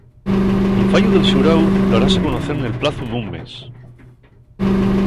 El fallu del xuráu daráse a conocer nel plazu d'un mes.